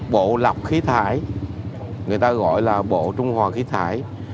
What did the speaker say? bộ lọc khí thải người ta gọi là bộ trung hòa khí thải